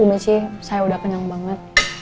ini sih saya udah kenyang banget